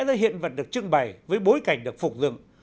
những hiện vật được trưng bày với bối cảnh được phục dựng